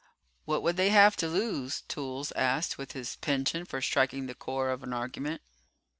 "What would they have to lose?" Toolls asked with his penchant for striking the core of an argument.